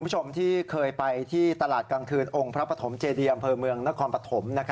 คุณผู้ชมที่เคยไปที่ตลาดกลางคืนองค์พระปฐมเจดีอำเภอเมืองนครปฐม